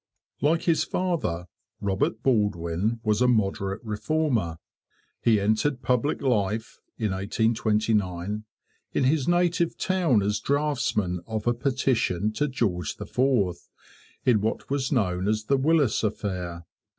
Like his father, Robert Baldwin was a Moderate Reformer. He entered public life (1829) in his native town as draftsman of a petition to George IV in what was known as the Willis affair.